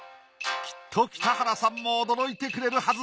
きっと北原さんも驚いてくれるはず。